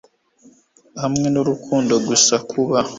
Hamwe nUrukundo gusa kuba